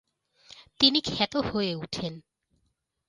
তিনি খ্যাত হয়ে উঠেন।